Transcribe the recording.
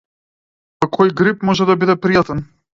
Па кој грип може да биде пријатен?